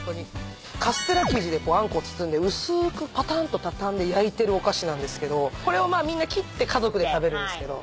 カステラ生地であんこを包んで薄くぱたんと畳んで焼いてるお菓子なんですけどこれをまあみんな切って家族で食べるんですけど。